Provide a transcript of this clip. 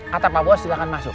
kata pak bos juga akan masuk